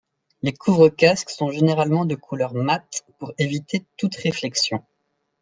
Les couvre-casques sont généralement de couleur mat pour éviter toute réflexion.